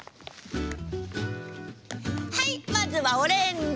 はいまずはオレンジ。